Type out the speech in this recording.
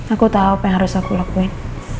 aku tahu apa yang harus aku lakuin